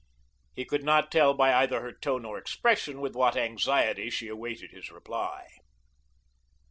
He could not tell by either her tone or expression with what anxiety she awaited his reply.